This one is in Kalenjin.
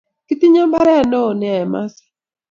Kiti nywe imbaret newon nea en maasai